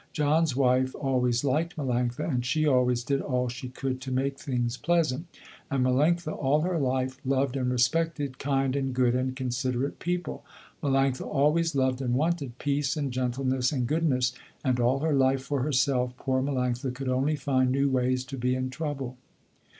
John's wife always liked Melanctha and she always did all she could to make things pleasant. And Melanctha all her life loved and respected kind and good and considerate people. Melanctha always loved and wanted peace and gentleness and goodness and all her life for herself poor Melanctha could only find new ways to be in trouble.